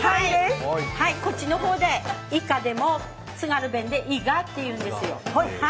こっちの方でイカでも津軽弁でイガって言うんですよ。